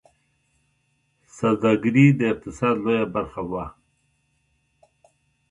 سوداګري د اقتصاد لویه برخه وه